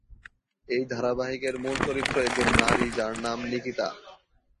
এই ধারাবাহিক এর মূল চরিত্র একজন নারী যার নাম নিকিতা।